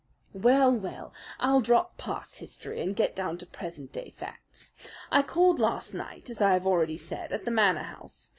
"Well, well, I'll drop past history and get down to present day facts. I called last night, as I have already said, at the Manor House.